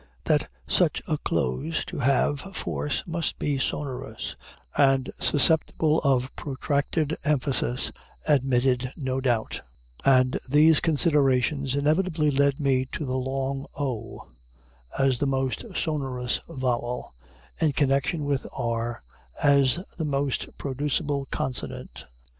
That such a close, to have force, must be sonorous and susceptible of protracted emphasis, admitted no doubt: and these considerations inevitably led me to the long o as the most sonorous vowel, in connection with r as the most producible consonant.